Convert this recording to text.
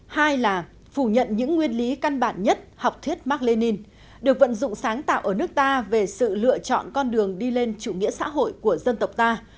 hai là phủ nhận những nguyên lý căn bản nhất học thuyết mark lenin được vận dụng sáng tạo ở nước ta về sự lựa chọn con đường đi lên chủ nghĩa xã hội của dân tộc ta